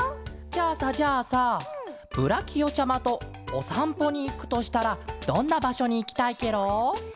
じゃあさじゃあさブラキオちゃまとおさんぽにいくとしたらどんなばしょにいきたいケロ？